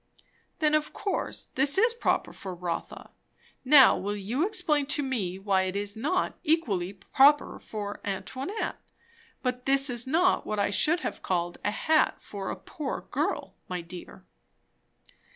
"Then of course this is proper for Rotha. Now will you explain to me why it is not equally proper for Antoinette? But this is not what I should have called a hat for a poor girl, my dear."